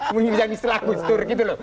menginjami setelah kustur gitu lho